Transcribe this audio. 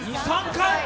２３回！？